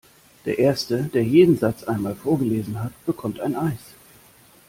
Der erste, der jeden Satz einmal vorgelesen hat, bekommt ein Eis!